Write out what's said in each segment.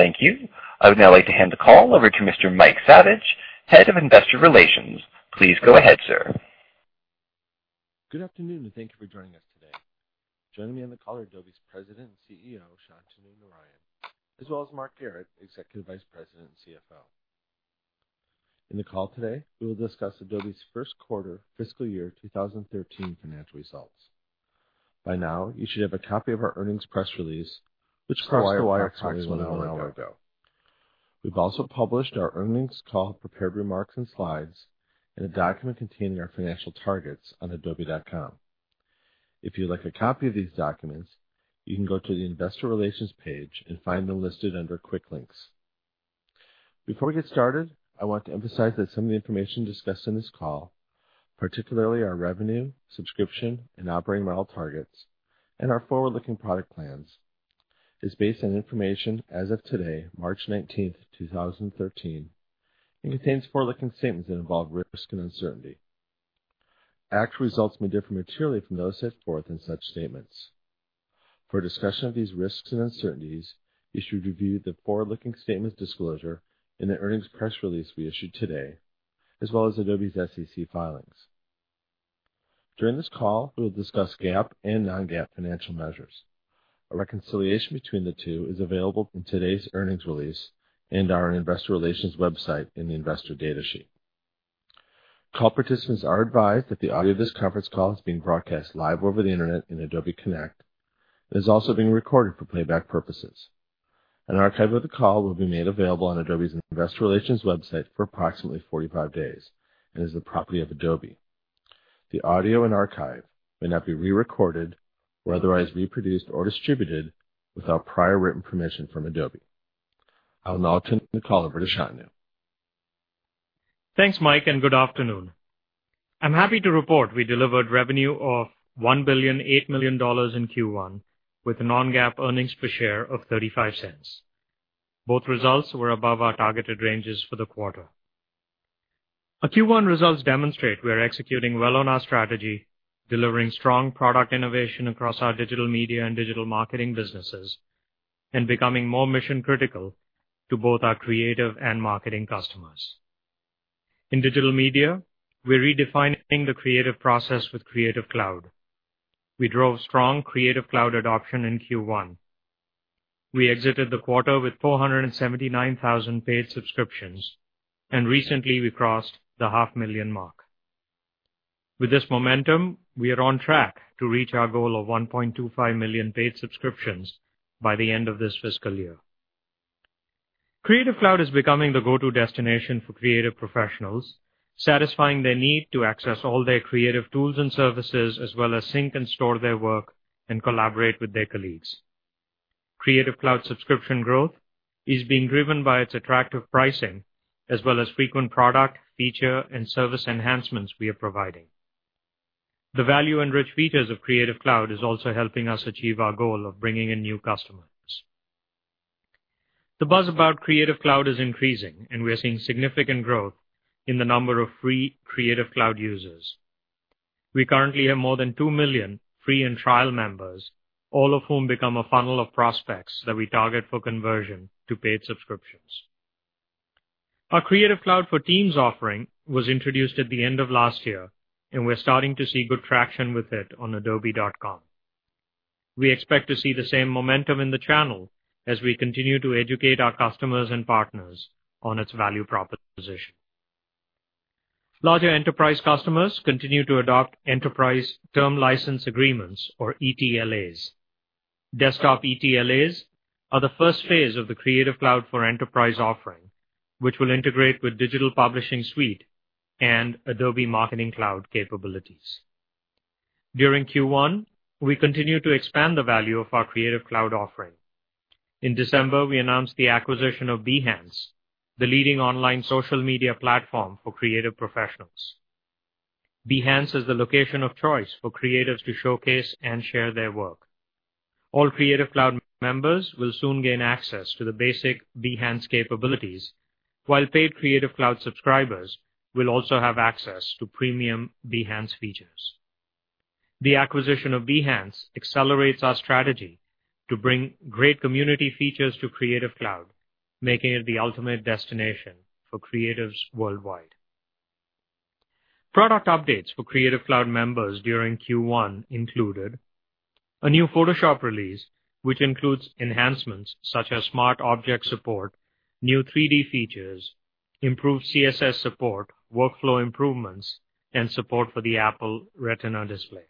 Thank you. I would now like to hand the call over to Mr. Mike Savage, Head of Investor Relations. Please go ahead, sir. Good afternoon, and thank you for joining us today. Joining me on the call are Adobe's President and CEO, Shantanu Narayen, as well as Mark Garrett, Executive Vice President and CFO. In the call today, we will discuss Adobe's first quarter fiscal year 2013 financial results. By now, you should have a copy of our earnings press release, which crossed the wire approximately one hour ago. We've also published our earnings call prepared remarks and slides in a document containing our financial targets on adobe.com. If you'd like a copy of these documents, you can go to the investor relations page and find them listed under quick links. Before we get started, I want to emphasize that some of the information discussed on this call, particularly our revenue, subscription, and operating model targets, and our forward-looking product plans, is based on information as of today, March 19th, 2013, and contains forward-looking statements that involve risk and uncertainty. Actual results may differ materially from those set forth in such statements. For a discussion of these risks and uncertainties, you should review the forward-looking statements disclosure in the earnings press release we issued today, as well as Adobe's SEC filings. During this call, we will discuss GAAP and non-GAAP financial measures. A reconciliation between the two is available in today's earnings release and on our investor relations website in the investor data sheet. Call participants are advised that the audio of this conference call is being broadcast live over the Internet on Adobe Connect and is also being recorded for playback purposes. An archive of the call will be made available on Adobe's investor relations website for approximately 45 days and is the property of Adobe. The audio and archive may not be re-recorded or otherwise reproduced or distributed without prior written permission from Adobe. I will now turn the call over to Shantanu. Thanks, Mike, and good afternoon. I'm happy to report we delivered revenue of $1.008 billion in Q1, with non-GAAP earnings per share of $0.35. Both results were above our targeted ranges for the quarter. Our Q1 results demonstrate we are executing well on our strategy, delivering strong product innovation across our Digital Media and Digital Marketing businesses, and becoming more mission-critical to both our creative and marketing customers. In Digital Media, we're redefining the creative process with Creative Cloud. We drove strong Creative Cloud adoption in Q1. We exited the quarter with 479,000 paid subscriptions, and recently we crossed the half-million mark. With this momentum, we are on track to reach our goal of 1.25 million paid subscriptions by the end of this fiscal year. Creative Cloud is becoming the go-to destination for creative professionals, satisfying their need to access all their creative tools and services as well as sync and store their work and collaborate with their colleagues. Creative Cloud subscription growth is being driven by its attractive pricing as well as frequent product, feature, and service enhancements we are providing. The value and rich features of Creative Cloud is also helping us achieve our goal of bringing in new customers. The buzz about Creative Cloud is increasing, and we are seeing significant growth in the number of free Creative Cloud users. We currently have more than 2 million free and trial members, all of whom become a funnel of prospects that we target for conversion to paid subscriptions. Our Creative Cloud for teams offering was introduced at the end of last year, and we're starting to see good traction with it on adobe.com. We expect to see the same momentum in the channel as we continue to educate our customers and partners on its value proposition. Larger enterprise customers continue to adopt enterprise term license agreements or ETLAs. Desktop ETLAs are the first phase of the Creative Cloud for enterprise offering, which will integrate with Digital Publishing Suite and Adobe Marketing Cloud capabilities. During Q1, we continued to expand the value of our Creative Cloud offering. In December, we announced the acquisition of Behance, the leading online social media platform for creative professionals. Behance is the location of choice for creatives to showcase and share their work. All Creative Cloud members will soon gain access to the basic Behance capabilities, while paid Creative Cloud subscribers will also have access to premium Behance features. The acquisition of Behance accelerates our strategy to bring great community features to Creative Cloud, making it the ultimate destination for creatives worldwide. Product updates for Creative Cloud members during Q1 included a new Photoshop release, which includes enhancements such as smart object support, new 3D features, improved CSS support, workflow improvements, and support for the Apple Retina display.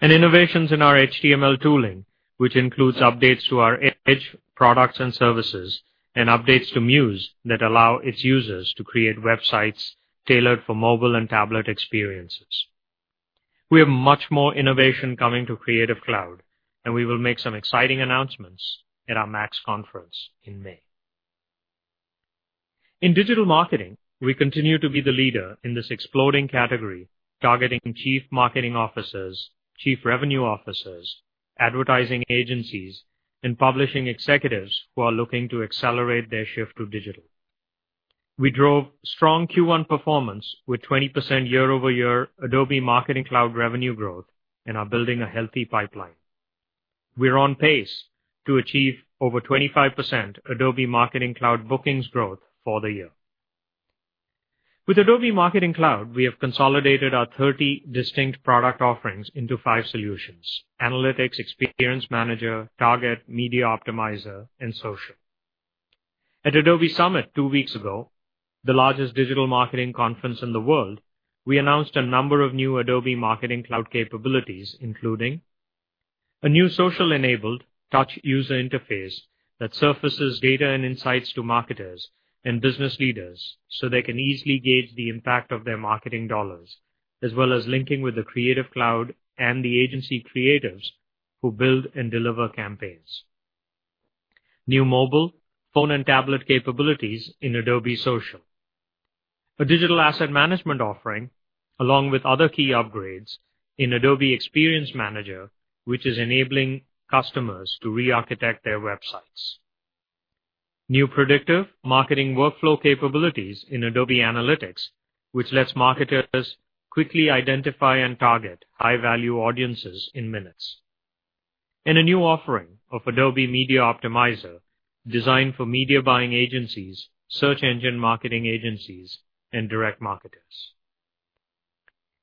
And innovations in our HTML tooling, which includes updates to our Edge products and services and updates to Muse that allow its users to create websites tailored for mobile and tablet experiences. We have much more innovation coming to Creative Cloud, and we will make some exciting announcements at our MAX conference in May. In Digital Marketing, we continue to be the leader in this exploding category, targeting Chief Marketing Officers, Chief Revenue Officers, advertising agencies, and publishing executives who are looking to accelerate their shift to digital. We drove strong Q1 performance with 20% year-over-year Adobe Marketing Cloud revenue growth and are building a healthy pipeline. We're on pace to achieve over 25% Adobe Marketing Cloud bookings growth for the year. With Adobe Marketing Cloud, we have consolidated our 30 distinct product offerings into five solutions: Analytics, Experience Manager, Target, Media Optimizer, and Social. At Adobe Summit two weeks ago, the largest digital marketing conference in the world, we announced a number of new Adobe Marketing Cloud capabilities, including a new social-enabled touch user interface that surfaces data and insights to marketers and business leaders so they can easily gauge the impact of their marketing dollars, as well as linking with the Creative Cloud and the agency creatives who build and deliver campaigns. New mobile, phone, and tablet capabilities in Adobe Social. A digital asset management offering, along with other key upgrades in Adobe Experience Manager, which is enabling customers to re-architect their websites. New predictive marketing workflow capabilities in Adobe Analytics, which lets marketers quickly identify and target high-value audiences in minutes. A new offering of Adobe Media Optimizer designed for media buying agencies, search engine marketing agencies, and direct marketers.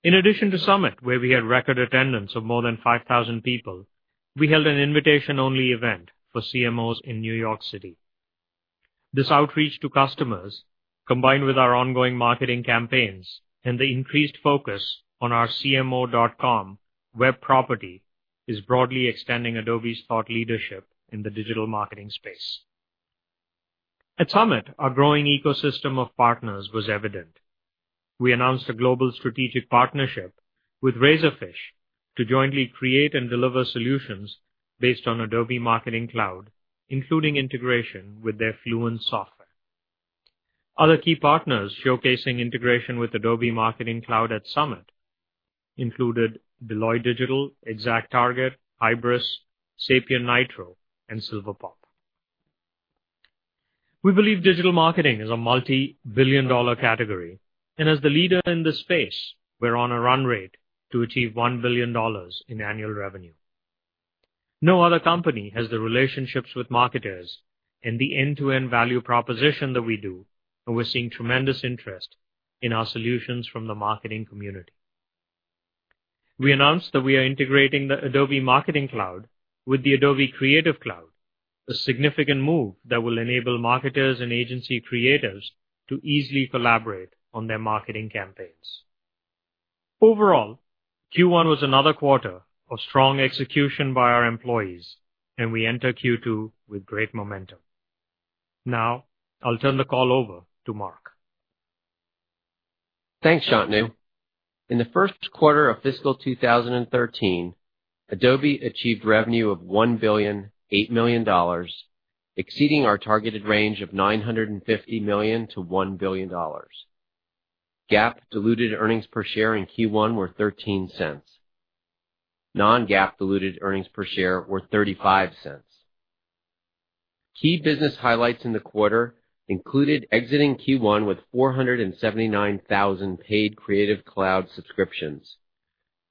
In addition to Summit, where we had record attendance of more than 5,000 people, we held an invitation-only event for CMOs in New York City. This outreach to customers, combined with our ongoing marketing campaigns and the increased focus on our cmo.com web property, is broadly extending Adobe's thought leadership in the digital marketing space. At Summit, our growing ecosystem of partners was evident. We announced a global strategic partnership with Razorfish to jointly create and deliver solutions based on Adobe Marketing Cloud, including integration with their Fluent software. Other key partners showcasing integration with Adobe Marketing Cloud at Summit included Deloitte Digital, ExactTarget, Hybris, SapientNitro, and Silverpop. We believe digital marketing is a multi-billion-dollar category, and as the leader in this space, we're on a run rate to achieve $1 billion in annual revenue. No other company has the relationships with marketers and the end-to-end value proposition that we do, and we're seeing tremendous interest in our solutions from the marketing community. We announced that we are integrating the Adobe Marketing Cloud with the Adobe Creative Cloud, a significant move that will enable marketers and agency creatives to easily collaborate on their marketing campaigns. Overall, Q1 was another quarter of strong execution by our employees, and we enter Q2 with great momentum. Now, I'll turn the call over to Mark. Thanks, Shantanu. In the first quarter of fiscal 2013, Adobe achieved revenue of $1.008 billion, exceeding our targeted range of $950 million to $1 billion. GAAP diluted earnings per share in Q1 were $0.13. Non-GAAP diluted earnings per share were $0.35. Key business highlights in the quarter included exiting Q1 with 479,000 paid Creative Cloud subscriptions.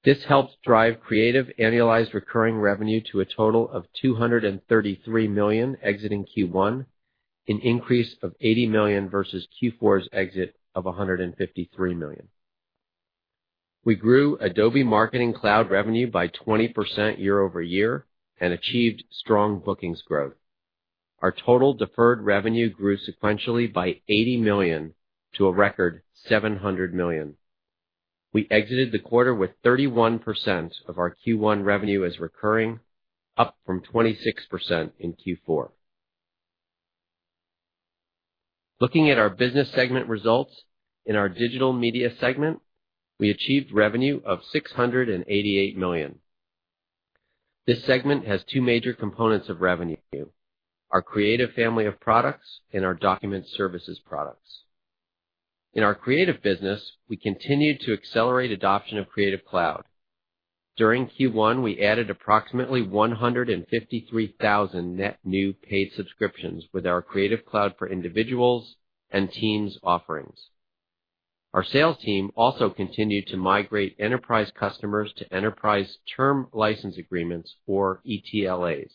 This helped drive Creative annualized recurring revenue to a total of $233 million exiting Q1, an increase of $80 million versus Q4's exit of $153 million. We grew Adobe Marketing Cloud revenue by 20% year-over-year and achieved strong bookings growth. Our total deferred revenue grew sequentially by $80 million to a record $700 million. We exited the quarter with 31% of our Q1 revenue as recurring, up from 26% in Q4. Looking at our business segment results in our Digital Media segment, we achieved revenue of $688 million. This segment has two major components of revenue, our Creative family of products and our Document Services products. In our Creative business, we continued to accelerate adoption of Creative Cloud. During Q1, we added approximately 153,000 net new paid subscriptions with our Creative Cloud for individuals and teams offerings. Our sales team also continued to migrate enterprise customers to enterprise term license agreements or ETLAs.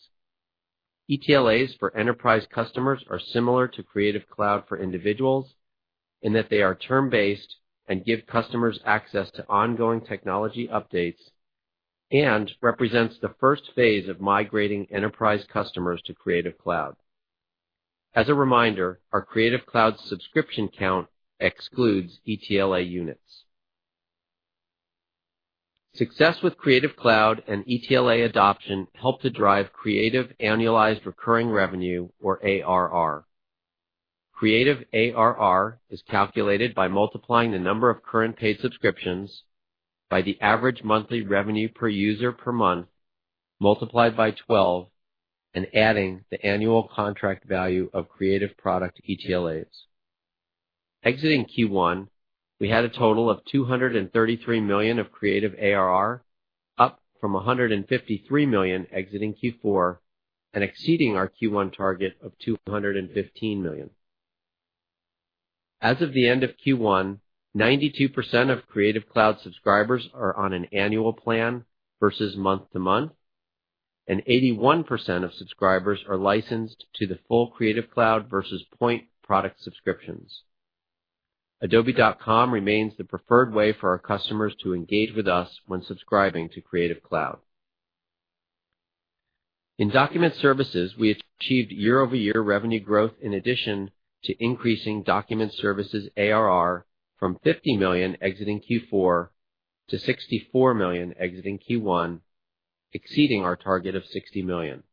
ETLAs for enterprise customers are similar to Creative Cloud for individuals in that they are term-based and give customers access to ongoing technology updates and represents the first phase of migrating enterprise customers to Creative Cloud. As a reminder, our Creative Cloud subscription count excludes ETLA units. Success with Creative Cloud and ETLA adoption helped to drive Creative annualized recurring revenue or ARR. Creative ARR is calculated by multiplying the number of current paid subscriptions by the average monthly revenue per user per month, multiplied by 12, and adding the annual contract value of Creative product ETLAs. Exiting Q1, we had a total of $233 million of Creative ARR, up from $153 million exiting Q4. Exceeding our Q1 target of $215 million. As of the end of Q1, 92% of Creative Cloud subscribers are on an annual plan versus month-to-month, and 81% of subscribers are licensed to the full Creative Cloud versus point product subscriptions. adobe.com remains the preferred way for our customers to engage with us when subscribing to Creative Cloud. In Document Services, we achieved year-over-year revenue growth in addition to increasing Document Services ARR from $50 million exiting Q4 to $64 million exiting Q1, exceeding our target of $60 million.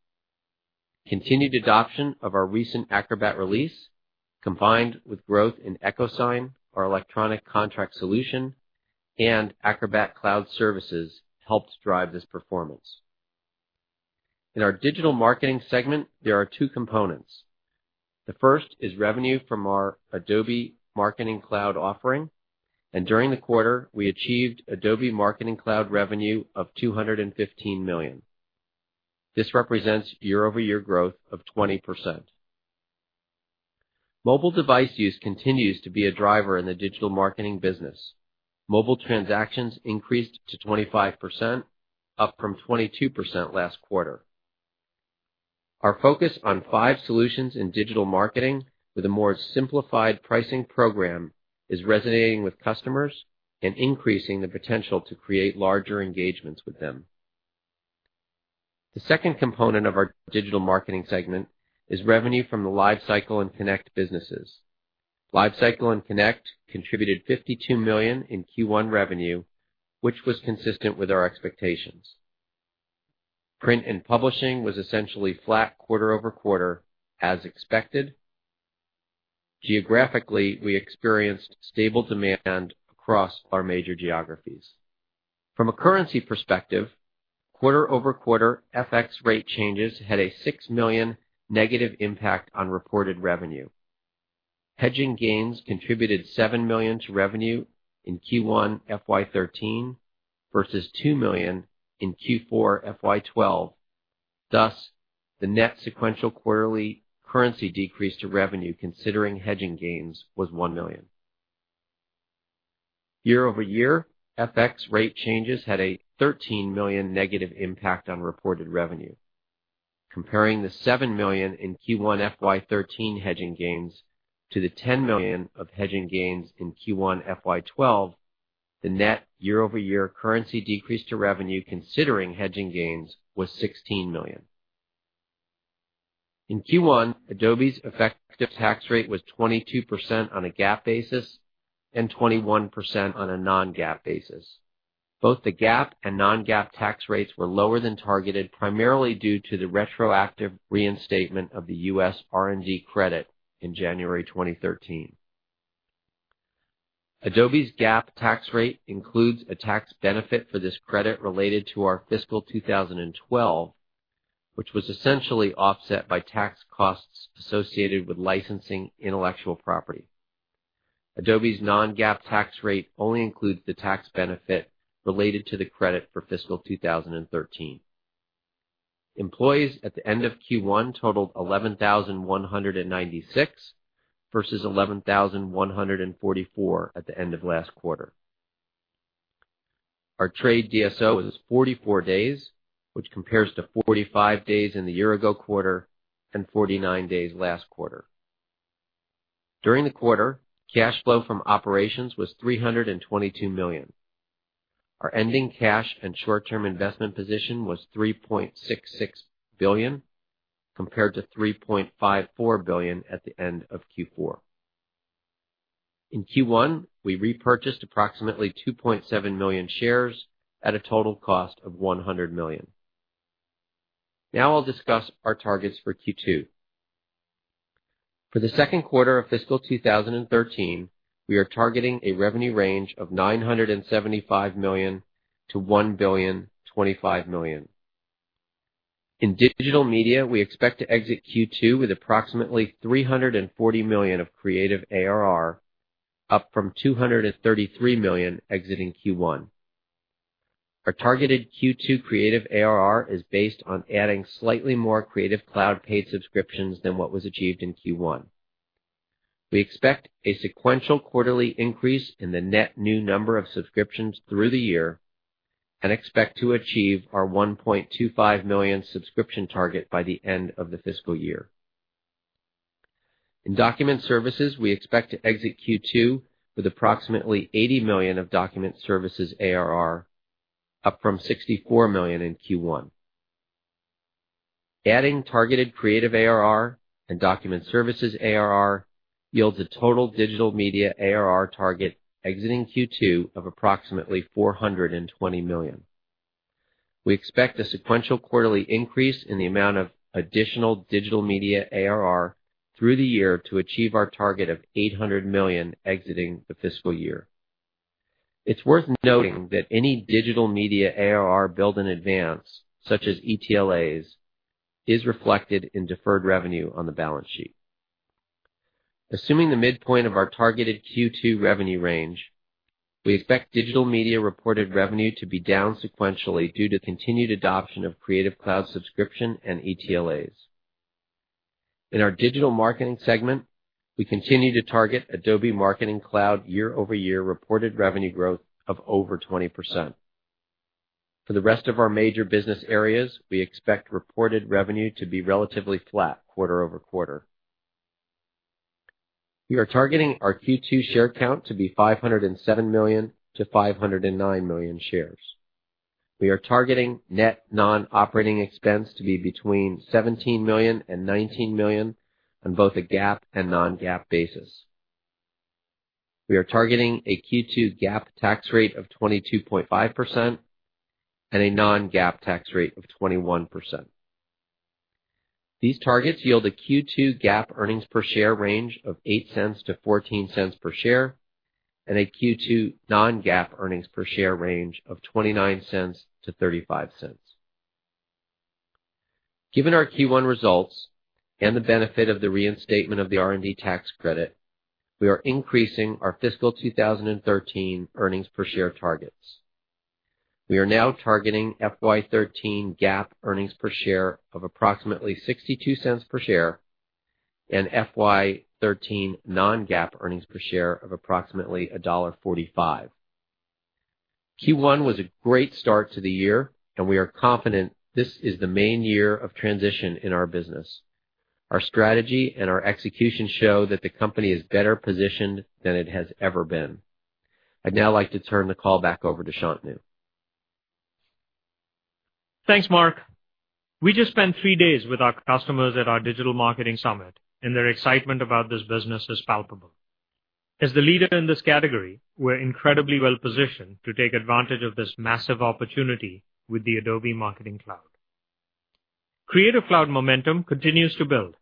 Continued adoption of our recent Acrobat release, combined with growth in EchoSign, our electronic contract solution, and Acrobat Cloud services, helped drive this performance. In our digital marketing segment, there are two components. The first is revenue from our Adobe Marketing Cloud offering. During the quarter, we achieved Adobe Marketing Cloud revenue of $215 million. This represents year-over-year growth of 20%. Mobile device use continues to be a driver in the digital marketing business. Mobile transactions increased to 25%, up from 22% last quarter. Our focus on five solutions in digital marketing with a more simplified pricing program is resonating with customers and increasing the potential to create larger engagements with them. The second component of our digital marketing segment is revenue from the LiveCycle and Connect businesses. LiveCycle and Connect contributed $52 million in Q1 revenue, which was consistent with our expectations. Print and publishing was essentially flat quarter-over-quarter as expected. Geographically, we experienced stable demand across our major geographies. From a currency perspective, quarter-over-quarter FX rate changes had a $6 million negative impact on reported revenue. Hedging gains contributed $7 million to revenue in Q1 FY 2013 versus $2 million in Q4 FY 2012. The net sequential quarterly currency decrease to revenue considering hedging gains was $1 million. Year-over-year, FX rate changes had a $13 million negative impact on reported revenue. Comparing the $7 million in Q1 FY 2013 hedging gains to the $10 million of hedging gains in Q1 FY 2012, the net year-over-year currency decrease to revenue considering hedging gains was $16 million. In Q1, Adobe's effective tax rate was 22% on a GAAP basis and 21% on a non-GAAP basis. Both the GAAP and non-GAAP tax rates were lower than targeted, primarily due to the retroactive reinstatement of the U.S. R&D credit in January 2013. Adobe's GAAP tax rate includes a tax benefit for this credit related to our fiscal 2012, which was essentially offset by tax costs associated with licensing intellectual property. Adobe's non-GAAP tax rate only includes the tax benefit related to the credit for fiscal 2013. Employees at the end of Q1 totaled 11,196 versus 11,144 at the end of last quarter. Our trade DSO is 44 days, which compares to 45 days in the year-ago quarter and 49 days last quarter. During the quarter, cash flow from operations was $322 million. Our ending cash and short-term investment position was $3.66 billion, compared to $3.54 billion at the end of Q4. In Q1, we repurchased approximately 2.7 million shares at a total cost of $100 million. I'll discuss our targets for Q2. For the second quarter of fiscal 2013, we are targeting a revenue range of $975 million to $1,025 million. In digital media, we expect to exit Q2 with approximately $340 million of creative ARR, up from $233 million exiting Q1. Our targeted Q2 creative ARR is based on adding slightly more Creative Cloud paid subscriptions than what was achieved in Q1. We expect a sequential quarterly increase in the net new number of subscriptions through the year and expect to achieve our 1.25 million subscription target by the end of the fiscal year. In Document Services, we expect to exit Q2 with approximately $80 million of Document Services ARR, up from $64 million in Q1. Adding targeted creative ARR and Document Services ARR yields a total digital media ARR target exiting Q2 of approximately $420 million. We expect a sequential quarterly increase in the amount of additional digital media ARR through the year to achieve our target of $800 million exiting the fiscal year. It's worth noting that any digital media ARR billed in advance, such as ETLAs, is reflected in deferred revenue on the balance sheet. Assuming the midpoint of our targeted Q2 revenue range, we expect digital media reported revenue to be down sequentially due to continued adoption of Creative Cloud subscription and ETLAs. In our digital marketing segment, we continue to target Adobe Marketing Cloud year-over-year reported revenue growth of over 20%. For the rest of our major business areas, we expect reported revenue to be relatively flat quarter-over-quarter. We are targeting our Q2 share count to be 507 million to 509 million shares. We are targeting net non-operating expense to be between $17 million and $19 million on both a GAAP and non-GAAP basis. We are targeting a Q2 GAAP tax rate of 22.5% and a non-GAAP tax rate of 21%. These targets yield a Q2 GAAP earnings per share range of $0.08 to $0.14 per share and a Q2 non-GAAP earnings per share range of $0.29 to $0.35. Given our Q1 results and the benefit of the reinstatement of the R&D tax credit, we are increasing our fiscal 2013 earnings per share targets. We are now targeting FY 2013 GAAP earnings per share of approximately $0.62 per share and FY 2013 non-GAAP earnings per share of approximately $1.45. Q1 was a great start to the year. We are confident this is the main year of transition in our business. Our strategy and our execution show that the company is better positioned than it has ever been. I'd now like to turn the call back over to Shantanu. Thanks, Mark. We just spent three days with our customers at our Adobe Summit, and their excitement about this business is palpable. As the leader in this category, we're incredibly well-positioned to take advantage of this massive opportunity with the Adobe Marketing Cloud. Creative Cloud momentum continues to build.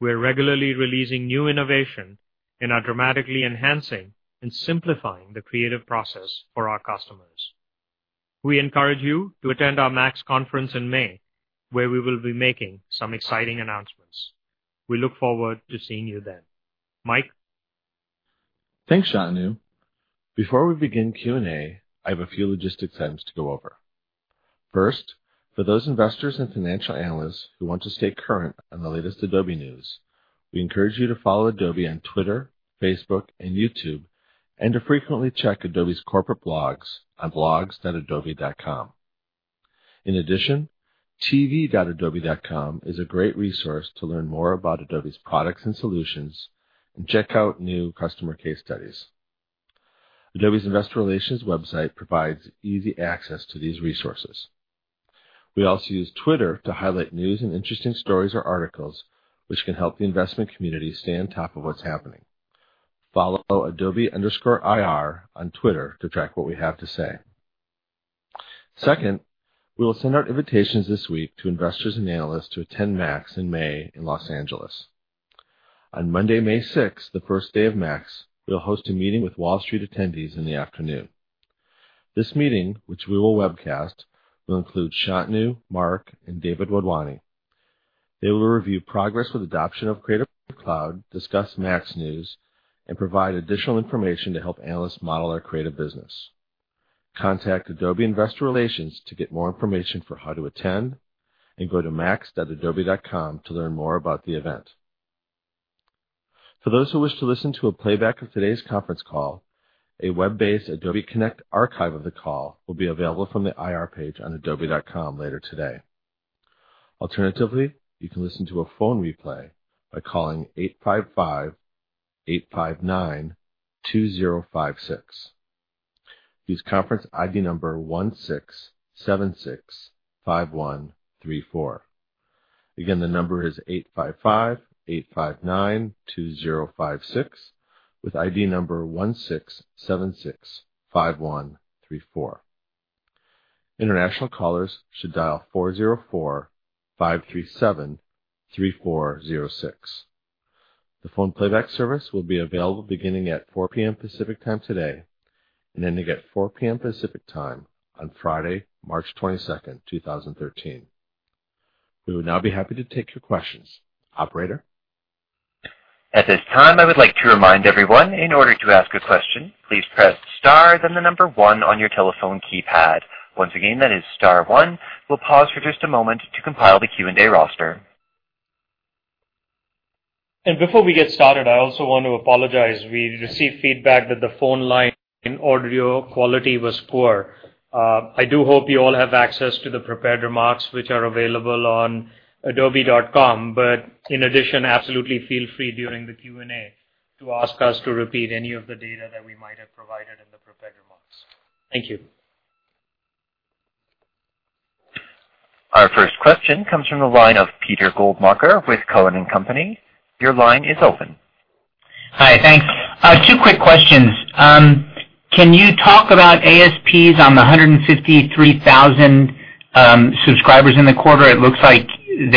We're regularly releasing new innovation and are dramatically enhancing and simplifying the creative process for our customers. We encourage you to attend our Adobe MAX conference in May, where we will be making some exciting announcements. We look forward to seeing you then. Mike? Thanks, Shantanu. Before we begin Q&A, I have a few logistics items to go over. First, for those investors and financial analysts who want to stay current on the latest Adobe news, we encourage you to follow Adobe on Twitter, Facebook, and YouTube, and to frequently check Adobe's corporate blogs on blogs.adobe.com. In addition, tv.adobe.com is a great resource to learn more about Adobe's products and solutions and check out new customer case studies. Adobe's investor relations website provides easy access to these resources. We also use Twitter to highlight news and interesting stories or articles which can help the investment community stay on top of what's happening. Follow Adobe_IR on Twitter to track what we have to say. Second, we will send out invitations this week to investors and analysts to attend Adobe MAX in May in L.A. On Monday, May sixth, the first day of Adobe MAX, we'll host a meeting with Wall Street attendees in the afternoon. This meeting, which we will webcast, will include Shantanu, Mark, and David Wadhwani. They will review progress with adoption of Creative Cloud, discuss Adobe MAX news, and provide additional information to help analysts model our creative business. Contact Adobe Investor Relations to get more information for how to attend, and go to max.adobe.com to learn more about the event. For those who wish to listen to a playback of today's conference call, a web-based Adobe Connect archive of the call will be available from the IR page on adobe.com later today. Alternatively, you can listen to a phone replay by calling 855 859 2056. Use conference ID number 16765134. Again, the number is 855 859 2056 with ID number 16765134. International callers should dial 404 537 3406. The phone playback service will be available beginning at 4:00 P.M. Pacific Time today and ending at 4:00 P.M. Pacific Time on Friday, March 22nd, 2013. We would now be happy to take your questions. Operator? At this time, I would like to remind everyone, in order to ask a question, please press star, then the number 1 on your telephone keypad. Once again, that is star 1. We'll pause for just a moment to compile the Q&A roster. Before we get started, I also want to apologize. We received feedback that the phone line audio quality was poor. I do hope you all have access to the prepared remarks which are available on adobe.com. In addition, absolutely feel free during the Q&A to ask us to repeat any of the data that we might have provided in the prepared remarks. Thank you. Our first question comes from the line of Peter Goldmacher with Cowen and Company. Your line is open. Hi. Thanks. Two quick questions. Can you talk about ASPs on the 153,000 subscribers in the quarter? It looks like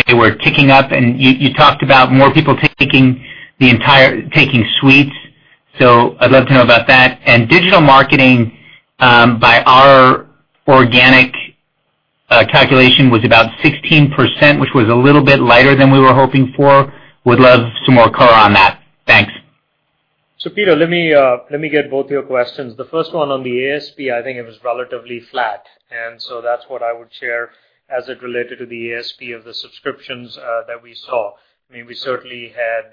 they were ticking up, and you talked about more people taking suites. I'd love to know about that. Digital marketing by our organic calculation was about 16%, which was a little bit lighter than we were hoping for. Would love some more color on that. Thanks. Peter, let me get both your questions. The first one on the ASP, I think it was relatively flat, and so that's what I would share as it related to the ASP of the subscriptions that we saw. We certainly had,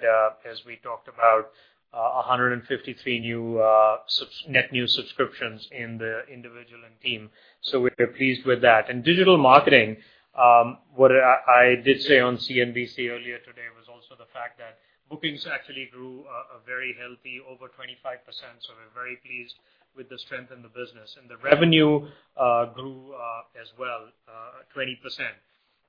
as we talked about, 153 net new subscriptions in the individual and team. We're pleased with that. In digital marketing, what I did say on CNBC earlier today was also the fact that bookings actually grew a very healthy over 25%, so we're very pleased with the strength in the business. The revenue grew as well, 20%.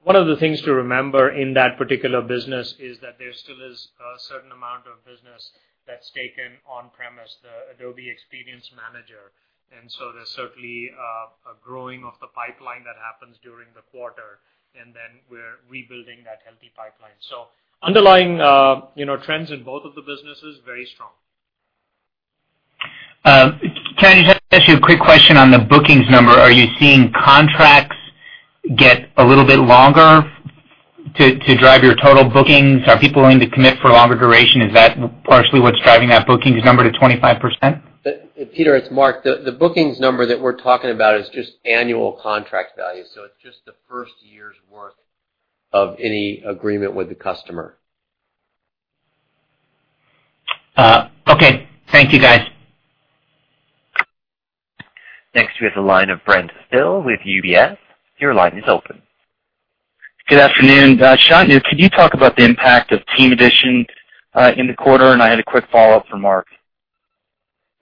One of the things to remember in that particular business is that there still is a certain amount of business that's taken on premise, the Adobe Experience Manager. There's certainly a growing of the pipeline that happens during the quarter, and then we're rebuilding that healthy pipeline. Underlying trends in both of the businesses, very strong. Shantanu, can I just ask you a quick question on the bookings number. Are you seeing contracts get a little bit longer to drive your total bookings? Are people willing to commit for a longer duration? Is that partially what's driving that bookings number to 25%? Peter, it's Mark. The bookings number that we're talking about is just annual contract value. It's just the first year's worth of any agreement with the customer. Okay, thank you, guys. Next, we have the line of Brent Thill with UBS. Your line is open. Good afternoon. Shantanu, could you talk about the impact of Team Edition in the quarter? I had a quick follow-up for Mark.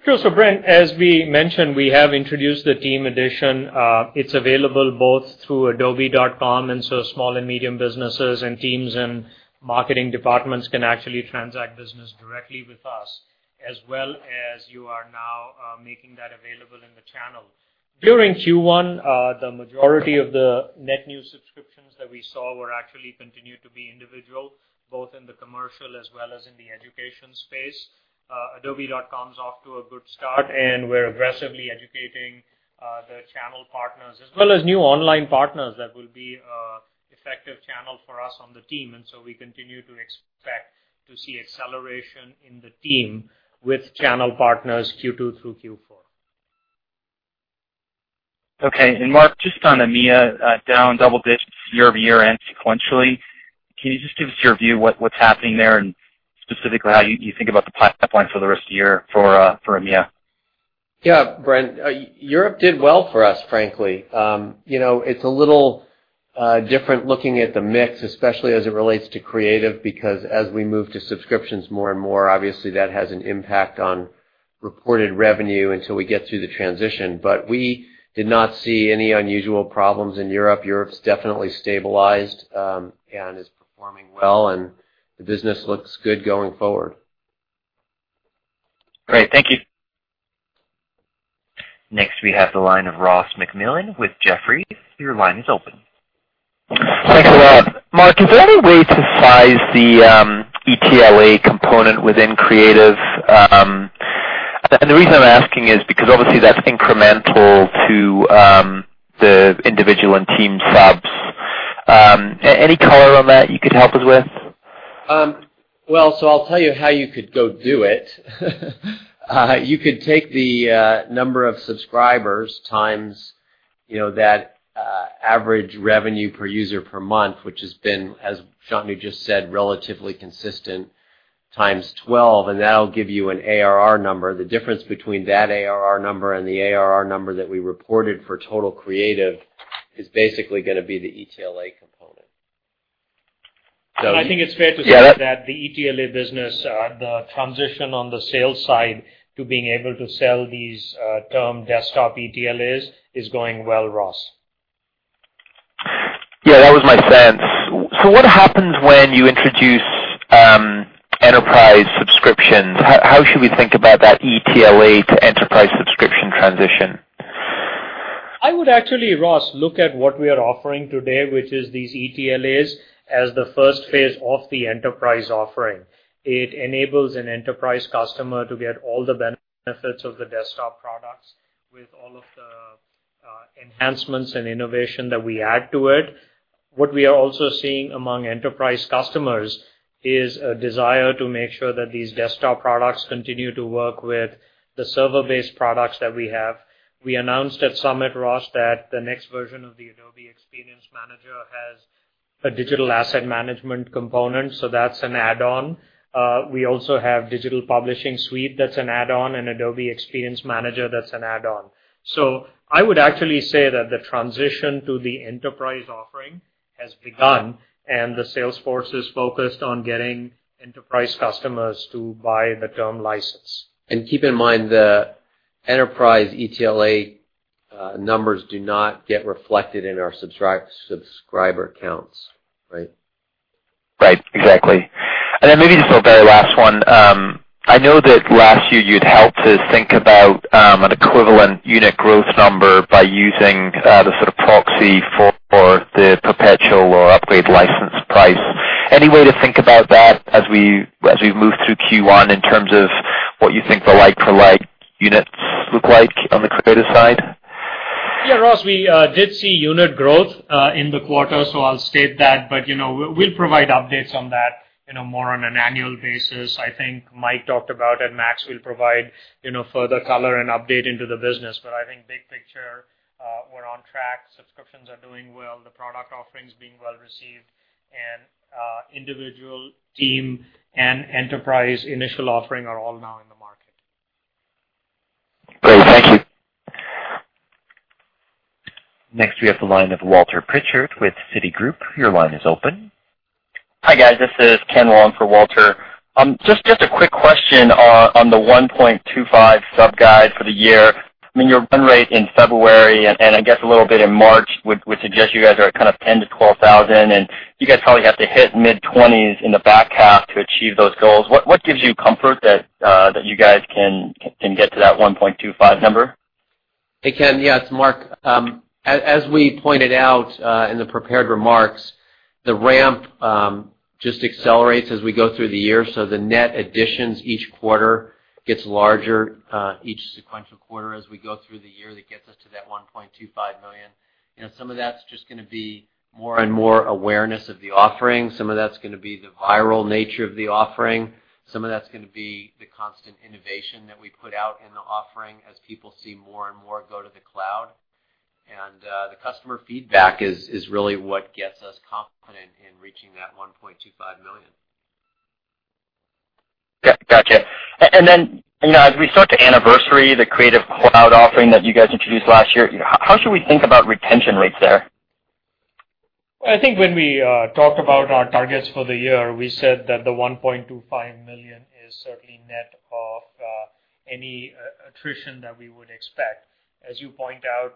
Sure. Brent, as we mentioned, we have introduced the Team Edition. It's available both through adobe.com, small and medium businesses and teams and marketing departments can actually transact business directly with us, as well as you are now making that available in the channel. During Q1, the majority of the net new subscriptions that we saw were actually continued to be individual, both in the commercial as well as in the education space. adobe.com's off to a good start, we're aggressively educating the channel partners as well as new online partners that will be effective channel for us on the team, we continue to expect to see acceleration in the team with channel partners Q2 through Q4. Okay. Mark, just on EMEA down double digits year-over-year and sequentially, can you just give us your view what's happening there and specifically how you think about the pipeline for the rest of the year for EMEA? Yeah, Brent, Europe did well for us, frankly. It's a little different looking at the mix, especially as it relates to Creative, because as we move to subscriptions more and more, obviously that has an impact on reported revenue until we get through the transition. We did not see any unusual problems in Europe. Europe's definitely stabilized and is performing well, the business looks good going forward. Great. Thank you. Next, we have the line of Ross MacMillan with Jefferies. Your line is open. Thanks a lot. Mark, is there any way to size the ETLA component within Creative? The reason I'm asking is because obviously that's incremental to the individual and team subs. Any color on that you could help us with? I'll tell you how you could go do it. You could take the number of subscribers times that average revenue per user per month, which has been, as Shantanu just said, relatively consistent, times 12, that'll give you an ARR number. The difference between that ARR number and the ARR number that we reported for total Creative is basically gonna be the ETLA component. I think it's fair to say that the ETLA business, the transition on the sales side to being able to sell these term desktop ETLAs is going well, Ross. Yeah, that was my sense. What happens when you introduce enterprise subscriptions? How should we think about that ETLA to enterprise subscription transition? I would actually, Ross, look at what we are offering today, which is these ETLAs, as the first phase of the enterprise offering. It enables an enterprise customer to get all the benefits of the desktop products with all of the enhancements and innovation that we add to it. What we are also seeing among enterprise customers is a desire to make sure that these desktop products continue to work with the server-based products that we have. We announced at Summit, Ross, that the next version of the Adobe Experience Manager has a digital asset management component, so that's an add-on. We also have Digital Publishing Suite, that's an add-on, and Adobe Experience Manager, that's an add-on. I would actually say that the transition to the enterprise offering has begun, and the sales force is focused on getting enterprise customers to buy the term license. Keep in mind, the enterprise ETLA numbers do not get reflected in our subscriber counts, right? Right, exactly. Maybe just a very last one. I know that last year you had helped us think about an equivalent unit growth number by using the sort of proxy for the perpetual or upgrade license. Any way to think about that as we have moved through Q1 in terms of what you think the like-for-like units look like on the creative side? Yeah, Ross, we did see unit growth in the quarter. I will state that. We will provide updates on that more on an annual basis. I think Mike talked about it. Max will provide further color and update into the business. I think big picture, we are on track. Subscriptions are doing well. The product offering is being well-received, and individual team and enterprise initial offering are all now in the market. Great. Thank you. Next, we have the line of Walter Pritchard with Citigroup. Your line is open. Hi, guys. This is Ken Wong for Walter. Just a quick question on the 1.25 sub guide for the year. Your run rate in February and I guess a little bit in March would suggest you guys are at kind of 10,000 to 12,000, and you guys probably have to hit mid-20s in the back half to achieve those goals. What gives you comfort that you guys can get to that 1.25 number? Hey, Ken. Yes, Mark. As we pointed out in the prepared remarks, the ramp just accelerates as we go through the year, so the net additions each quarter gets larger each sequential quarter as we go through the year. That gets us to that 1.25 million. Some of that's just going to be more and more awareness of the offering. Some of that's going to be the viral nature of the offering. Some of that's going to be the constant innovation that we put out in the offering as people see more and more go to the cloud. The customer feedback is really what gets us confident in reaching that 1.25 million. Got it. As we start to anniversary the Creative Cloud offering that you guys introduced last year, how should we think about retention rates there? I think when we talked about our targets for the year, we said that the 1.25 million is certainly net of any attrition that we would expect. As you point out,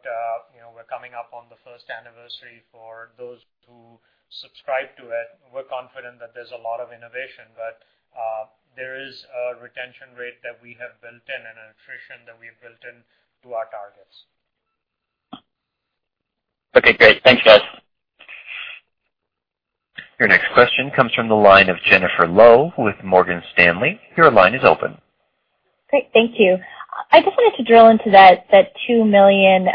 we're coming up on the first anniversary for those who subscribe to it. We're confident that there's a lot of innovation, but there is a retention rate that we have built in and an attrition that we have built into our targets. Okay, great. Thanks, guys. Your next question comes from the line of Jennifer Lowe with Morgan Stanley. Your line is open. Great. Thank you. I just wanted to drill into that 2 million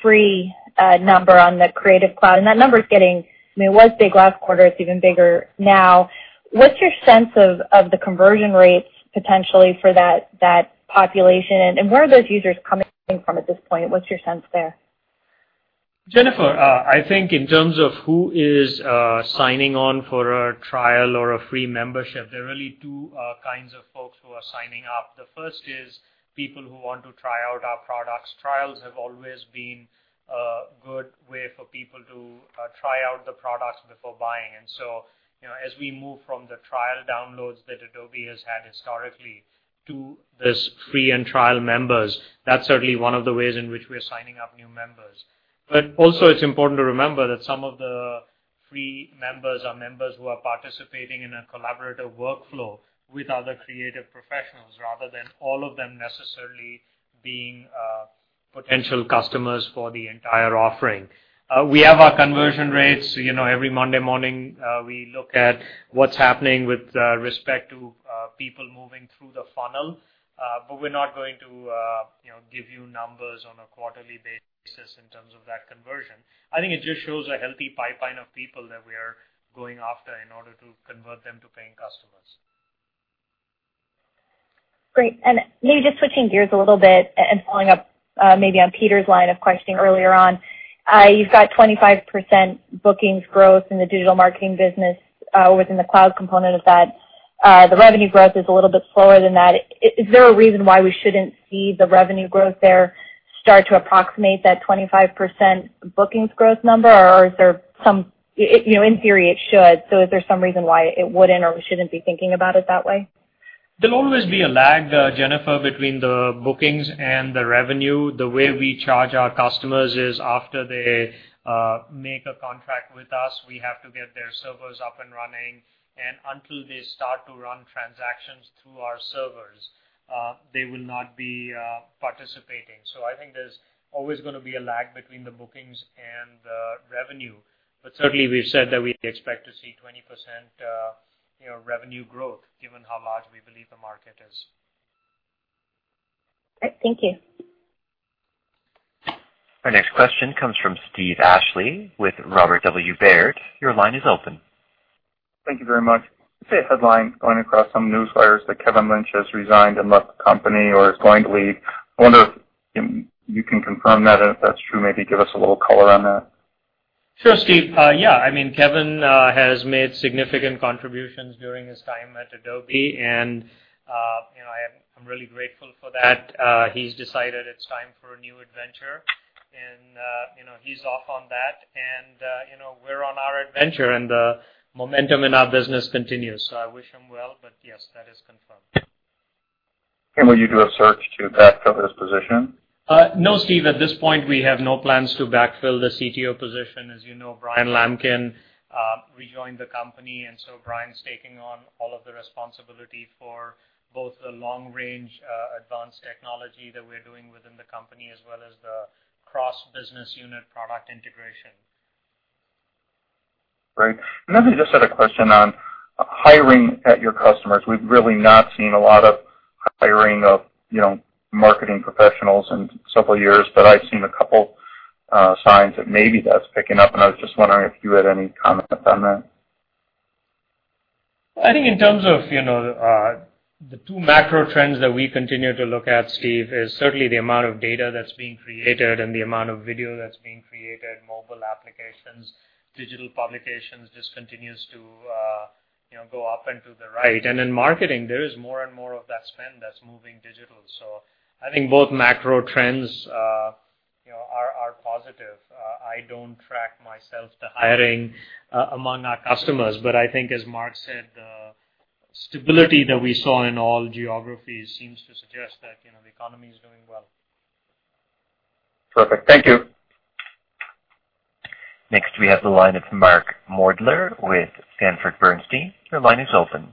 free number on the Creative Cloud. It was big last quarter. It's even bigger now. What's your sense of the conversion rates potentially for that population, where are those users coming from at this point? What's your sense there? Jennifer, I think in terms of who is signing on for a trial or a free membership, there are really two kinds of folks who are signing up. The first is people who want to try out our products. Trials have always been a good way for people to try out the products before buying. As we move from the trial downloads that Adobe has had historically to these free and trial members, that's certainly one of the ways in which we're signing up new members. Also, it's important to remember that some of the free members are members who are participating in a collaborative workflow with other creative professionals, rather than all of them necessarily being potential customers for the entire offering. We have our conversion rates. Every Monday morning, we look at what's happening with respect to people moving through the funnel. We're not going to give you numbers on a quarterly basis in terms of that conversion. I think it just shows a healthy pipeline of people that we are going after in order to convert them to paying customers. Great. Maybe just switching gears a little bit and following up maybe on Peter's line of questioning earlier on. You've got 25% bookings growth in the digital marketing business within the cloud component of that. The revenue growth is a little bit slower than that. Is there a reason why we shouldn't see the revenue growth there start to approximate that 25% bookings growth number? In theory, it should. Is there some reason why it wouldn't or we shouldn't be thinking about it that way? There'll always be a lag, Jennifer, between the bookings and the revenue. The way we charge our customers is after they make a contract with us, we have to get their servers up and running. Until they start to run transactions through our servers, they will not be participating. I think there's always going to be a lag between the bookings and the revenue. Certainly, we've said that we expect to see 20% revenue growth given how large we believe the market is. Great. Thank you. Our next question comes from Steve Ashley with Robert W. Baird. Your line is open. Thank you very much. I see a headline going across some newswires that Kevin Lynch has resigned and left the company or is going to leave. I wonder if you can confirm that. If that's true, maybe give us a little color on that. Sure, Steve. Yeah, Kevin has made significant contributions during his time at Adobe. I'm really grateful for that. He's decided it's time for a new adventure. He's off on that. We're on our adventure. The momentum in our business continues. I wish him well, but yes, that is confirmed. Will you do a search to backfill his position? No, Steve. At this point, we have no plans to backfill the CTO position. As you know, Bryan Lamkin rejoined the company, Bryan's taking on all of the responsibility for both the long-range advanced technology that we're doing within the company as well as the cross-business unit product integration. Great. I just had a question on hiring at your customers. We've really not seen a lot of hiring of marketing professionals in several years, but I've seen a couple signs that maybe that's picking up, and I was just wondering if you had any comments on that. I think in terms of the two macro trends that we continue to look at, Steve, is certainly the amount of data that's being created and the amount of video that's being created, mobile applications, digital publications, just continues to go up and to the right. In marketing, there is more and more of that spend that's moving digital. I think both macro trends are positive. I don't track myself the hiring among our customers. I think as Mark said, the stability that we saw in all geographies seems to suggest that the economy is doing well. Perfect. Thank you. Next, we have the line of Mark Moerdler with Sanford Bernstein. Your line is open.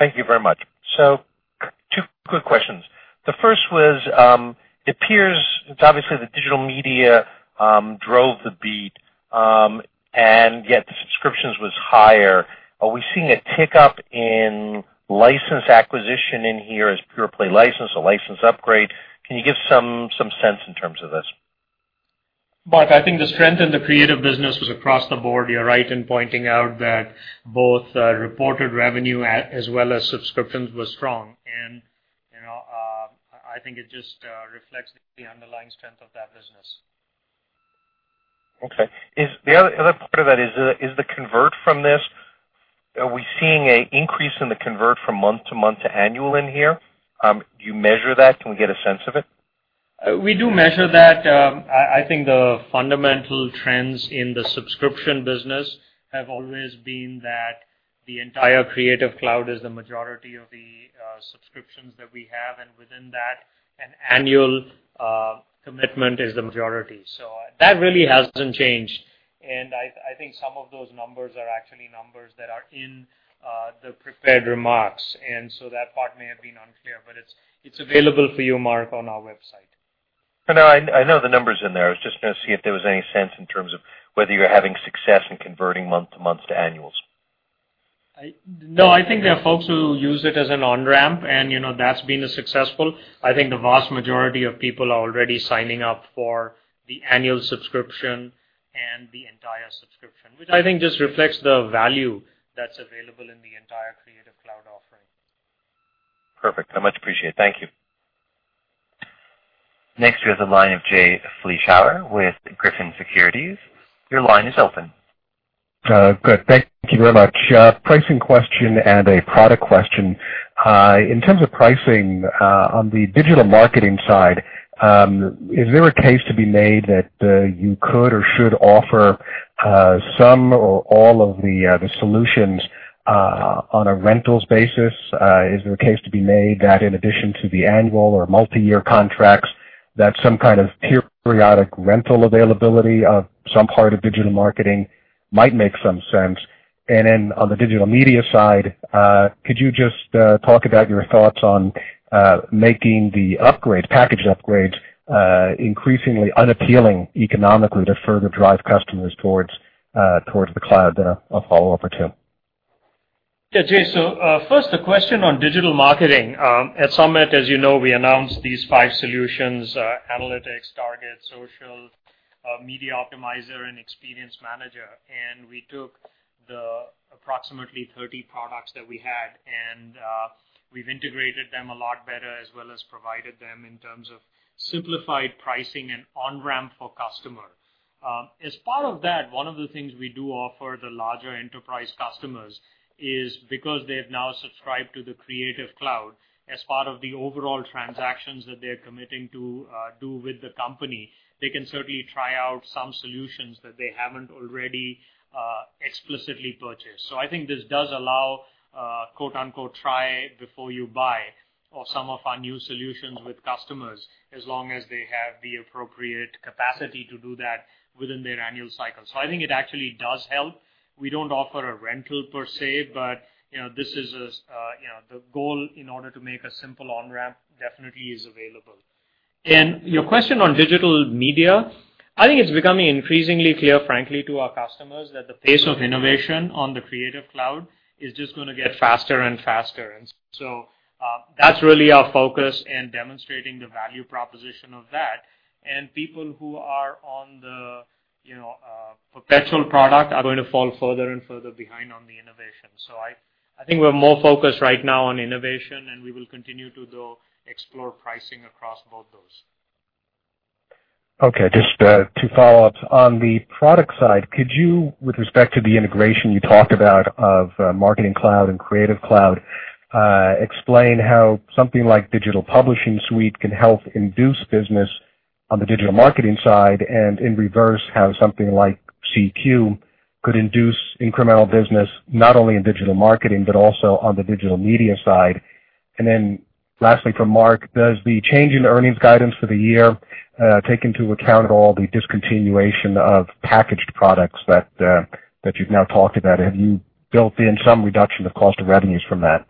Thank you very much. Two quick questions. The first was, it appears it's obviously the digital media drove the beat, and yet the subscriptions was higher. Are we seeing a tick up in license acquisition in here as pure play license or license upgrade? Can you give some sense in terms of this? Mark, I think the strength in the Creative business was across the board. You're right in pointing out that both reported revenue as well as subscriptions were strong. I think it just reflects the underlying strength of that business. Okay. The other part of that is the convert from this. Are we seeing an increase in the convert from month-to-month to annual in here? Do you measure that? Can we get a sense of it? We do measure that. I think the fundamental trends in the subscription business have always been that the entire Creative Cloud is the majority of the subscriptions that we have, and within that, an annual commitment is the majority. That really hasn't changed. I think some of those numbers are actually numbers that are in the prepared remarks, that part may have been unclear, but it's available for you, Mark, on our website. I know the number's in there. I was just going to see if there was any sense in terms of whether you're having success in converting month-to-month to annuals. I think there are folks who use it as an on-ramp, that's been successful. I think the vast majority of people are already signing up for the annual subscription and the entire subscription, which I think just reflects the value that's available in the entire Creative Cloud offering. Perfect. I much appreciate it. Thank you. Next, we have the line of Jay Vleeschhouwer with Griffin Securities. Your line is open. Good. Thank you very much. Pricing question and a product question. In terms of pricing, on the digital marketing side, is there a case to be made that you could or should offer some or all of the solutions on a rentals basis? Is there a case to be made that in addition to the annual or multi-year contracts, that some kind of periodic rental availability of some part of digital marketing might make some sense? Then on the digital media side, could you just talk about your thoughts on making the package upgrades increasingly unappealing economically to further drive customers towards the cloud? A follow-up or two. Yeah, Jay. First, the question on digital marketing. At Adobe Summit, as you know, we announced these five solutions, Analytics, Target, Social, Media Optimizer, and Experience Manager. We took the approximately 30 products that we had, and we've integrated them a lot better, as well as provided them in terms of simplified pricing and on-ramp for customer. As part of that, one of the things we do offer the larger enterprise customers is because they've now subscribed to the Creative Cloud, as part of the overall transactions that they're committing to do with the company, they can certainly try out some solutions that they haven't already explicitly purchased. I think this does allow a quote-unquote, try before you buy of some of our new solutions with customers, as long as they have the appropriate capacity to do that within their annual cycle. I think it actually does help. We don't offer a rental per se, but the goal in order to make a simple on-ramp definitely is available. Your question on digital media, I think it's becoming increasingly clear, frankly, to our customers that the pace of innovation on the Creative Cloud is just going to get faster and faster. That's really our focus in demonstrating the value proposition of that. People who are on the perpetual product are going to fall further and further behind on the innovation. I think we're more focused right now on innovation, and we will continue to explore pricing across both those. Okay, just two follow-ups. On the product side, could you, with respect to the integration you talked about of Marketing Cloud and Creative Cloud, explain how something like Digital Publishing Suite can help induce business on the digital marketing side, and in reverse, how something like CQ could induce incremental business, not only in digital marketing but also on the digital media side? Lastly, from Mark, does the change in earnings guidance for the year take into account at all the discontinuation of packaged products that you've now talked about? Have you built in some reduction of cost of revenues from that?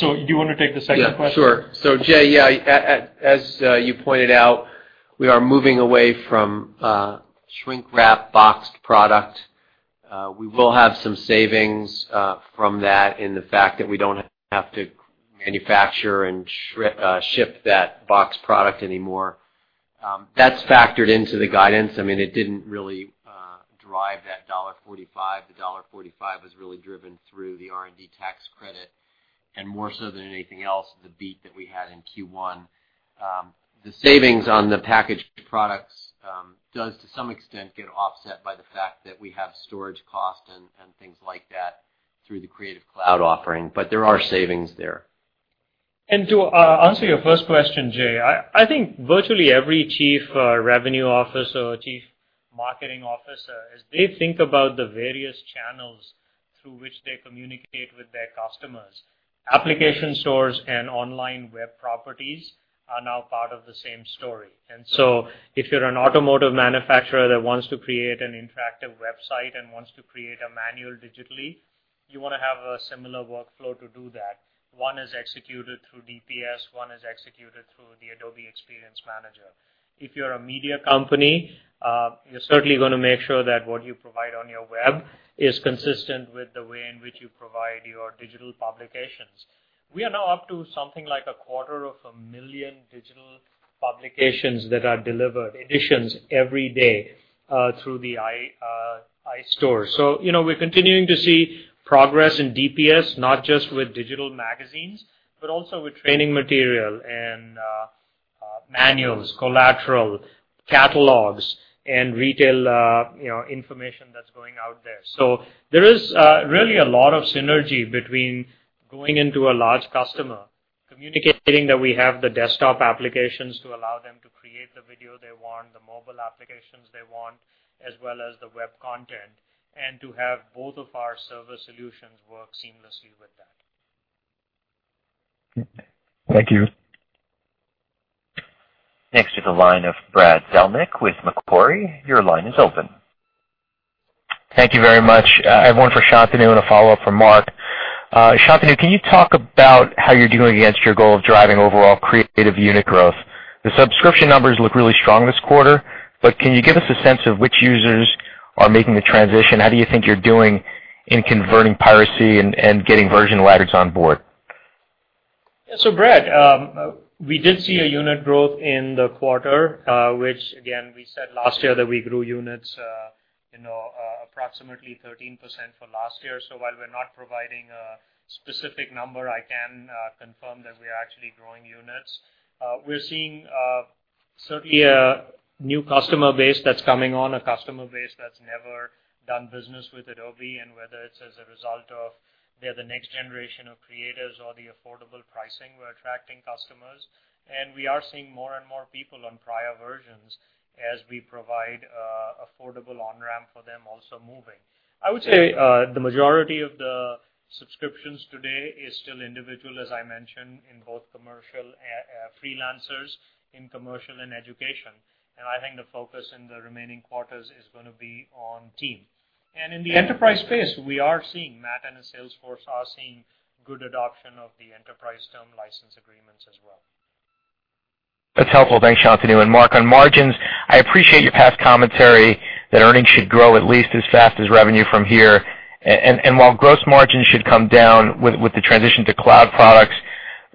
Do you want to take the second question? Yeah, sure. Jay, yeah, as you pointed out, we are moving away from shrink wrap boxed product. We will have some savings from that in the fact that we don't have to manufacture and ship that box product anymore. That's factored into the guidance. It didn't really drive that $1.45. The $1.45 was really driven through the R&D tax credit, and more so than anything else, the beat that we had in Q1. The savings on the packaged products does, to some extent, get offset by the fact that we have storage costs and things like that through the Creative Cloud offering. There are savings there. To answer your first question, Jay, I think virtually every chief revenue officer or chief marketing officer, as they think about the various channels through which they communicate with their customers, application stores and online web properties are now part of the same story. If you're an automotive manufacturer that wants to create an interactive website and wants to create a manual digitally, you want to have a similar workflow to do that. One is executed through DPS, one is executed through the Adobe Experience Manager. If you're a media company, you're certainly going to make sure that what you provide on your web is consistent with the way in which you provide your digital publications. We are now up to something like a quarter of a million digital publications that are delivered, editions every day, through the App Store. We're continuing to see progress in DPS, not just with digital magazines, but also with training material and manuals, collateral, catalogs, and retail information that's going out there. There is really a lot of synergy between going into a large customer, communicating that we have the desktop applications to allow them to create the video they want, the mobile applications they want, as well as the web content, and to have both of our server solutions work seamlessly with that. Thank you. Next to the line of Brad Zelnick with Macquarie. Your line is open. Thank you very much. I have one for Shantanu and a follow-up from Mark. Shantanu, can you talk about how you're doing against your goal of driving overall creative unit growth? The subscription numbers look really strong this quarter, but can you give us a sense of which users are making the transition? How do you think you're doing in converting piracy and getting version laggards on board? Brad, we did see a unit growth in the quarter, which again, we said last year that we grew units approximately 13% for last year. While we're not providing a specific number, I can confirm that we are actually growing units. We're seeing certainly a new customer base that's coming on, a customer base that's never done business with Adobe, and whether it's as a result of they're the next generation of creators or the affordable pricing, we're attracting customers. We are seeing more and more people on prior versions as we provide affordable on-ramp for them also moving. I would say the majority of the subscriptions today is still individual, as I mentioned, in both commercial freelancers, in commercial and education. I think the focus in the remaining quarters is going to be on team. In the enterprise space, we are seeing, Matt and his sales force are seeing good adoption of the enterprise term license agreements as well. That's helpful. Thanks, Shantanu. Mark, on margins, I appreciate your past commentary that earnings should grow at least as fast as revenue from here. While gross margins should come down with the transition to cloud products,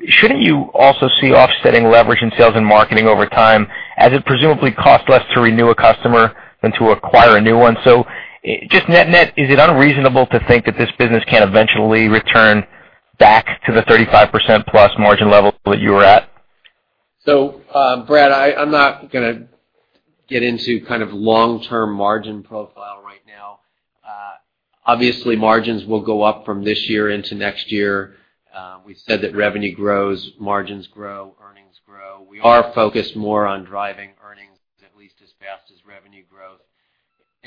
shouldn't you also see offsetting leverage in sales and marketing over time, as it presumably costs less to renew a customer than to acquire a new one? Just net net, is it unreasonable to think that this business can't eventually return back to the 35% plus margin level that you were at? Brad, I'm not going to get into kind of long-term margin profile right now. Obviously, margins will go up from this year into next year. We've said that revenue grows, margins grow, earnings grow. We are focused more on driving earnings at least as fast as revenue growth.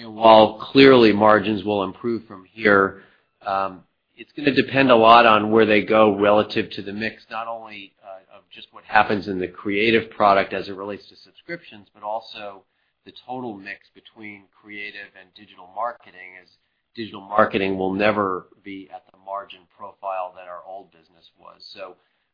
While clearly margins will improve from here, it's going to depend a lot on where they go relative to the mix, not only of just what happens in the creative product as it relates to subscriptions, but also the total mix between creative and digital marketing, as digital marketing will never be at the margin profile that our old business was.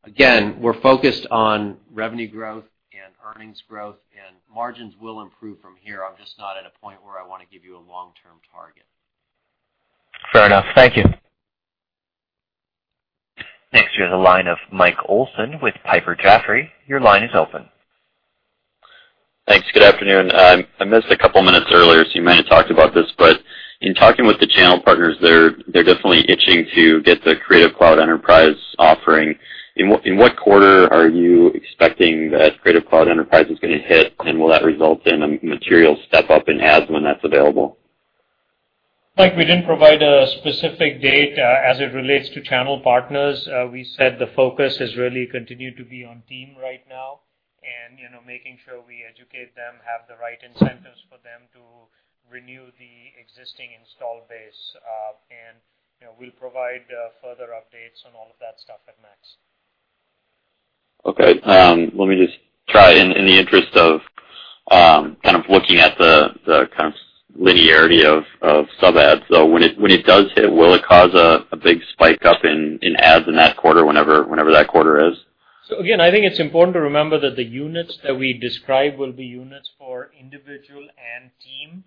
Again, we're focused on revenue growth and earnings growth, and margins will improve from here. I'm just not at a point where I want to give you a long-term target. Fair enough. Thank you. Next, we have the line of Michael Olson with Piper Jaffray. Your line is open. Thanks. Good afternoon. I missed a couple of minutes earlier, so you might have talked about this, but in talking with the channel partners, they're definitely itching to get the Creative Cloud Enterprise offering. In what quarter are you expecting that Creative Cloud Enterprise is going to hit? Will that result in a material step-up in adds when that's available? Mike, we didn't provide a specific date as it relates to channel partners. We said the focus has really continued to be on team right now and making sure we educate them, have the right incentives for them to renew the existing install base. We'll provide further updates on all of that stuff at MAX. Okay. Let me just try in the interest of parity of sub adds. When it does hit, will it cause a big spike up in ARR in that quarter whenever that quarter is? Again, I think it's important to remember that the units that we describe will be units for individual and team.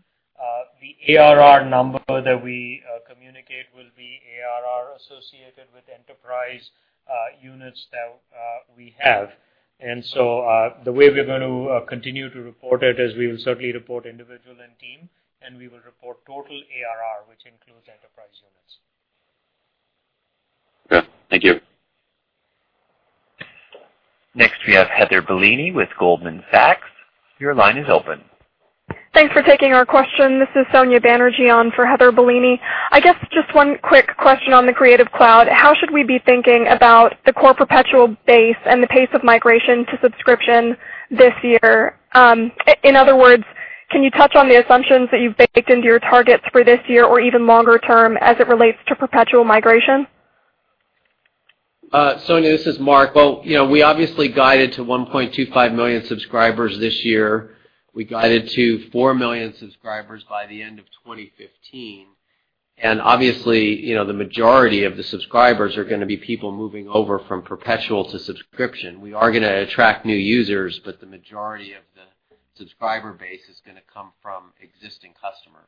The ARR number that we communicate will be ARR associated with enterprise units that we have. The way we're going to continue to report it is we will certainly report individual and team, and we will report total ARR, which includes enterprise units. Okay. Thank you. Next, we have Heather Bellini with Goldman Sachs. Your line is open. Thanks for taking our question. This is Sonya Banerjee on for Heather Bellini. I guess just one quick question on the Creative Cloud. How should we be thinking about the core perpetual base and the pace of migration to subscription this year? In other words, can you touch on the assumptions that you've baked into your targets for this year or even longer term as it relates to perpetual migration? Sonya, this is Mark. Well, we obviously guided to 1.25 million subscribers this year. We guided to 4 million subscribers by the end of 2015. Obviously, the majority of the subscribers are going to be people moving over from perpetual to subscription. We are going to attract new users, but the majority of the subscriber base is going to come from existing customers.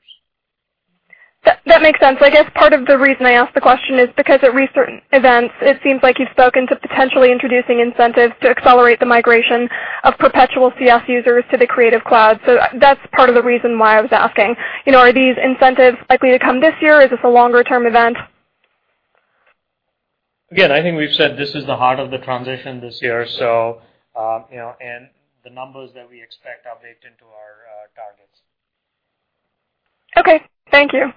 That makes sense. I guess part of the reason I asked the question is because at recent events, it seems like you've spoken to potentially introducing incentives to accelerate the migration of perpetual CS users to the Creative Cloud. That's part of the reason why I was asking. Are these incentives likely to come this year? Is this a longer-term event? Again, I think we've said this is the heart of the transition this year, and the numbers that we expect are baked into our targets. Okay. Thank you.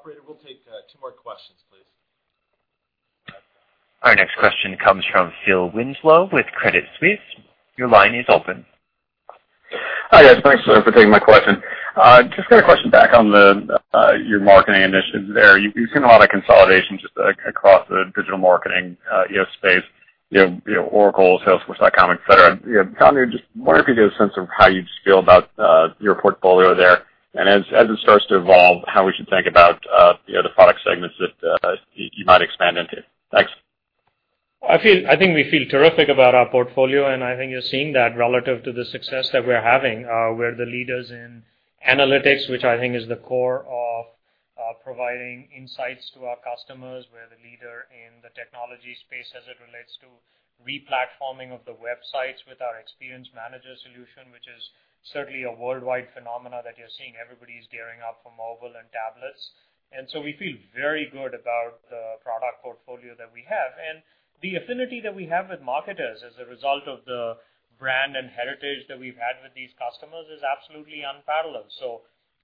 Operator, we will take two more questions, please. Our next question comes from Philip Winslow with Credit Suisse. Your line is open. Hi, guys. Thanks for taking my question. Just got a question back on your marketing initiatives there. You have seen a lot of consolidation just across the digital marketing space, Oracle, Salesforce.com, et cetera. Shantanu, just wondering if you could give a sense of how you feel about your portfolio there, and as it starts to evolve, how we should think about the product segments that you might expand into. Thanks. I think we feel terrific about our portfolio, and I think you're seeing that relative to the success that we're having. We're the leaders in Analytics, which I think is the core of providing insights to our customers. We're the leader in the technology space as it relates to re-platforming of the websites with our Adobe Experience Manager solution, which is certainly a worldwide phenomena that you're seeing. Everybody's gearing up for mobile and tablets. We feel very good about the product portfolio that we have. The affinity that we have with marketers as a result of the brand and heritage that we've had with these customers is absolutely unparalleled.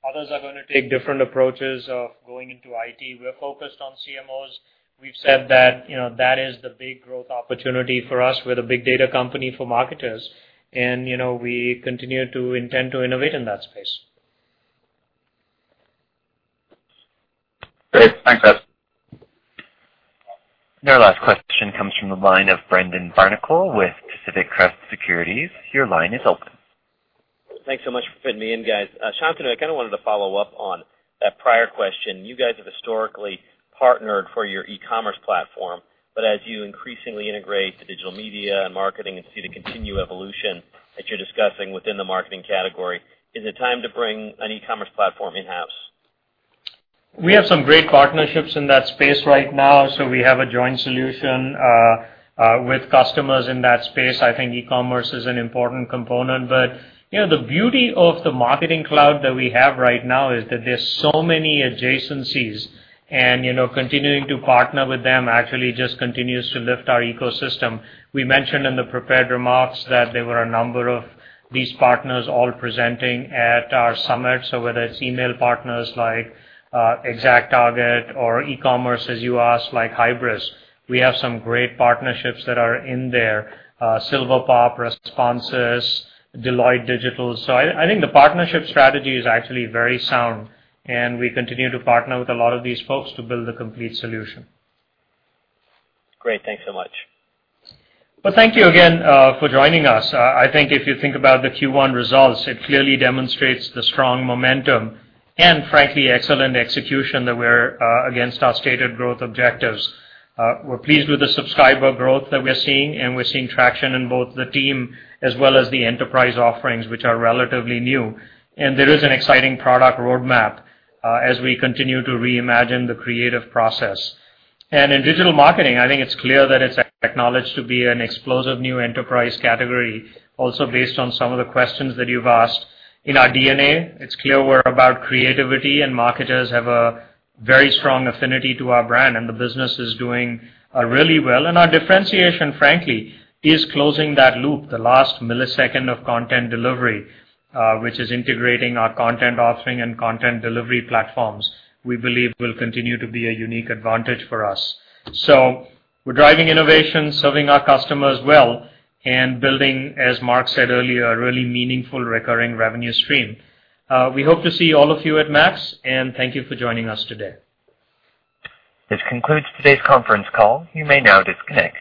Others are going to take different approaches of going into IT. We're focused on CMOs. We've said that is the big growth opportunity for us. We're the big data company for marketers, we continue to intend to innovate in that space. Great. Thanks, guys. Our last question comes from the line of Brendan Barnicle with Pacific Crest Securities. Your line is open. Thanks so much for fitting me in, guys. Shantanu, I kind of wanted to follow up on that prior question. As you increasingly integrate digital media and marketing and see the continued evolution that you're discussing within the marketing category, is it time to bring an e-commerce platform in-house? We have some great partnerships in that space right now. We have a joint solution with customers in that space. I think e-commerce is an important component, but the beauty of the Adobe Marketing Cloud that we have right now is that there's so many adjacencies, and continuing to partner with them actually just continues to lift our ecosystem. We mentioned in the prepared remarks that there were a number of these partners all presenting at our Adobe Summit. Whether it's email partners like ExactTarget or e-commerce, as you asked, like Hybris, we have some great partnerships that are in there. Silverpop, Responsys, Deloitte Digital. I think the partnership strategy is actually very sound, and we continue to partner with a lot of these folks to build a complete solution. Great. Thanks so much. Well, thank you again for joining us. I think if you think about the Q1 results, it clearly demonstrates the strong momentum and, frankly, excellent execution that we're against our stated growth objectives. We're pleased with the subscriber growth that we're seeing, and we're seeing traction in both the team as well as the enterprise offerings, which are relatively new. There is an exciting product roadmap as we continue to reimagine the creative process. In digital marketing, I think it's clear that it's acknowledged to be an explosive new enterprise category. Also, based on some of the questions that you've asked. In our DNA, it's clear we're about creativity, and marketers have a very strong affinity to our brand, and the business is doing really well. Our differentiation, frankly, is closing that loop, the last millisecond of content delivery, which is integrating our content offering and content delivery platforms, we believe will continue to be a unique advantage for us. We're driving innovation, serving our customers well, and building, as Mark said earlier, a really meaningful recurring revenue stream. We hope to see all of you at MAX, and thank you for joining us today. This concludes today's conference call. You may now disconnect.